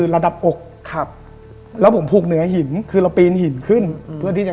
จะได้ไม่ชนเราจะไม่เป็นการ